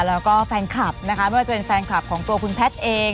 แล้วก็แฟนคลับนะคะไม่ว่าจะเป็นแฟนคลับของตัวคุณแพทย์เอง